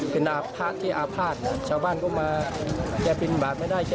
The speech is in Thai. เป็นพระที่อาภาษณ์ชาวบ้านก็มาแกบินบาปไม่ได้